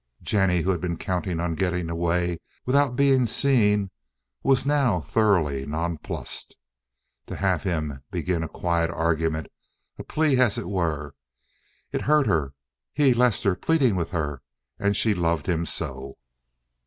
Jennie, who had been counting on getting away without being seen, was now thoroughly nonplussed. To have him begin a quiet argument—a plea as it were. It hurt her. He, Lester, pleading with her, and she loved him so.